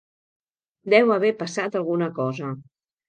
Deu haver passat alguna cosa.